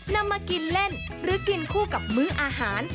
นำมากินเล่นหรือกินคู่กับมื้ออาหาร